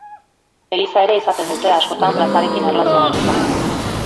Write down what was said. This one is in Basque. Eliza ere izaten dute, askotan plazarekin erlazionatuta.